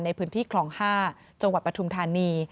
ในพื้นที่คลอง๕จังหวัดปฐุมธานี